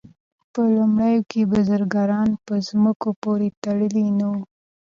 په لومړیو کې بزګران په ځمکو پورې تړلي نه وو.